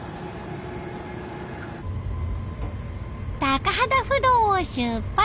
高幡不動を出発！